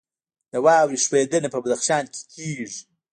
د واورې ښویدنه په بدخشان کې کیږي